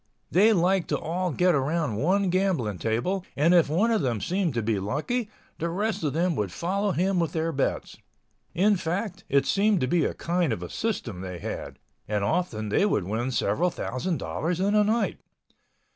They liked to all get around one gambling table and if one of them seemed to be lucky, the rest of them would follow him with their bets. In fact, it seemed to be a kind of a system they had—and often they would win several thousand dollars in a night.